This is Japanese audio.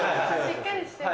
しっかりしてる。